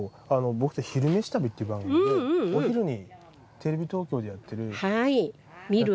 僕たち「昼めし旅」っていう番組でお昼にテレビ東京でやってる。